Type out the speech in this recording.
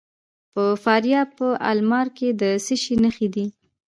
د فاریاب په المار کې د څه شي نښې دي؟